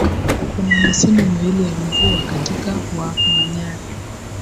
Kuna misimu miwili ya mvua katika wa manyara